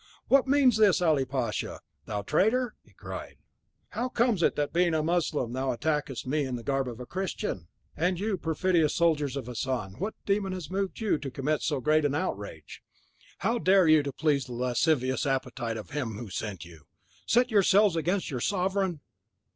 "What means this, Ali Pasha, thou traitor?" he cried. "How comes it that, being a mussulman, thou attackest me in the garb of a Christian? And you, perfidious soldiers of Hassan, what demon has moved you to commit so great an outrage? How dare you, to please the lascivious appetite of him who sent you, set yourselves against your sovereign?"